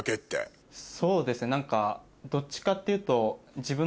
そうですね何かどっちかっていうと。